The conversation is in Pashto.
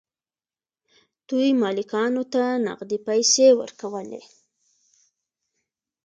دوی مالکانو ته نغدې پیسې ورکولې.